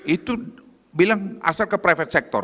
itu bilang asal ke private sector